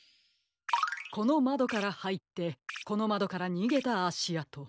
このまどからはいってこのまどからにげたあしあと。